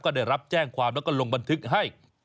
ก็ได้รับแจ้งความแล้วก็ลงบันทึกให้